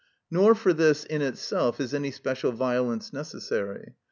Nor for this in itself is any special violence necessary.